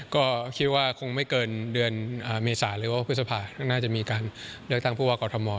ก็คิดว่าคงไม่เกินเดือนเมษาหรือว่าพฤษภาน่าจะมีการเลือกตั้งผู้ว่ากอทม